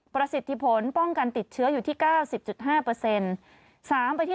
ประสิทธิผลป้องกันติดเชื้ออยู่ที่๙๐๕